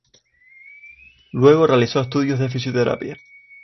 Luego realizó estudios de fisioterapia.